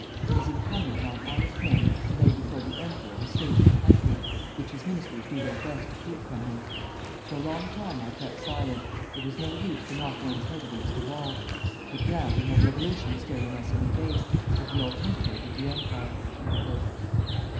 It is incumbent on honest men to lay before the emperor the state of the country, which his ministers do their best to keep from him. For a long time I kept silent, it was no use to knock one's head against a wall; but now we have revolution staring us in the face, as the alternative with the Empire."